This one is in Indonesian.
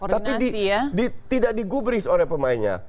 tapi tidak di gubris oleh pemainnya